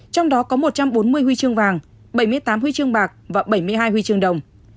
trong đó có một trăm bốn mươi huy chương vàng bảy mươi tám huy chương bạc và bảy mươi hai huy chương đồng